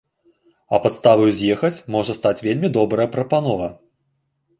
А падставаю з'ехаць можа стаць вельмі добрая прапанова.